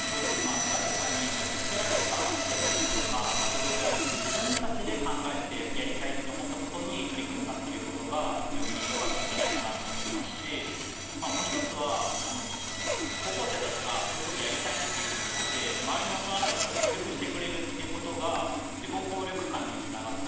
誰かに押し付けられたプロジェクトとか活動ではなくて自分たちで考えてやりたいって思ったことに取り組んだっていうことが非常によかったんじゃないかなと思いますし、もう一つは高校生たちが「こういうことやりたい」っていうふうに言って周りの大人たちが協力してくれるっていうことが自己効力感につながった。